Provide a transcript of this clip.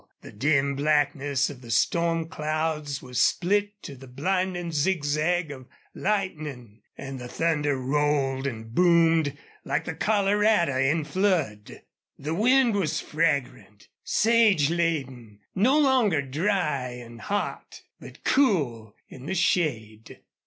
The dim blackness of the storm clouds was split to the blinding zigzag of lightning, and the thunder rolled and boomed, like the Colorado in flood. The wind was fragrant, sage laden, no longer dry and hot, but cool in the shade.